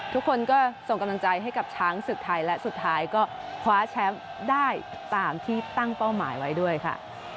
ทุกคนก็ส่งกำลังใจให้กับช้างศึกไทยและสุดท้ายก็คว้าแชมป์ได้ตามที่ตั้งเป้าหมายไว้ด้วยค่ะ